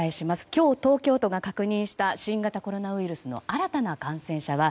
今日、東京都が確認した新型コロナウイルスの新たな感染者は